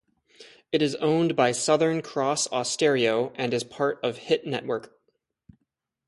It is owned by Southern Cross Austereo and is part of Hit Network.